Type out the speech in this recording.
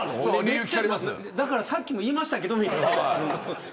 だからさっきも言いましたけどみたいな。